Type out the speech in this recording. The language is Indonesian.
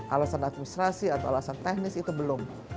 alasan administrasi atau alasan teknis itu belum